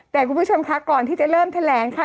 แต่คุณผู้ชมค่ะก่อนที่จะเริ่มแถลงค่ะ